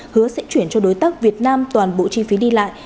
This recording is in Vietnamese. hứa sẽ chuyển cho đối tác việt nam toàn bộ chi phí đi lại